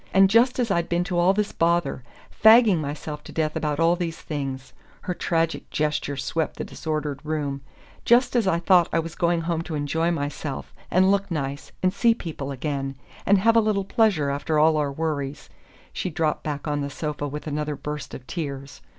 And just as I'd been to all this bother fagging myself to death about all these things " her tragic gesture swept the disordered room "just as I thought I was going home to enjoy myself, and look nice, and see people again, and have a little pleasure after all our worries " She dropped back on the sofa with another burst of tears.